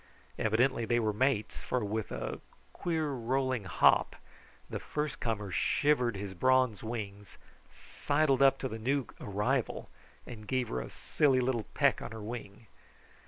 Evidently they were mates, for with a queer, rolling hop the first comer shivered his bronze wings, sidled to the new arrival, and gave her a silly little peck on her wing.